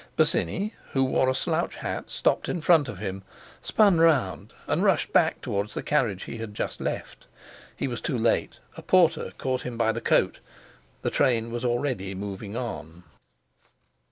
Bosinney, who wore a slouch hat, stopped in front of him, spun around, and rushed back towards the carriage he had just left. He was too late. A porter caught him by the coat; the train was already moving on.